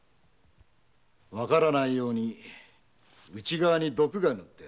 わからぬように内側に毒が塗ってある。